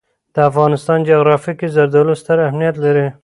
د افغانستان جغرافیه کې زردالو ستر اهمیت لري.